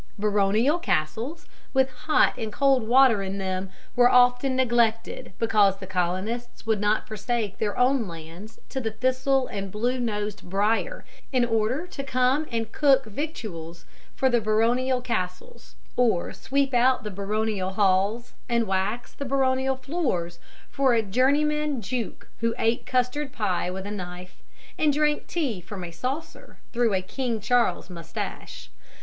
Baronial castles, with hot and cold water in them, were often neglected, because the colonists would not forsake their own lands to the thistle and blue nosed brier in order to come and cook victuals for the baronial castles or sweep out the baronial halls and wax the baronial floors for a journeyman juke who ate custard pie with a knife and drank tea from his saucer through a King Charles moustache.